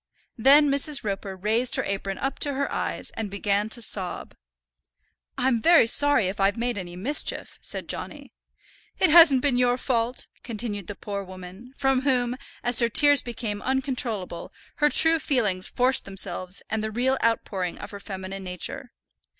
Then Mrs. Roper raised her apron up to her eyes, and began to sob. "I'm very sorry if I've made any mischief," said Johnny. "It hasn't been your fault," continued the poor woman, from whom, as her tears became uncontrollable, her true feelings forced themselves and the real outpouring of her feminine nature.